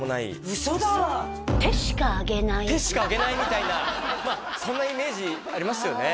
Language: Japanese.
手しかあげないみたいなまあそんなイメージありますよね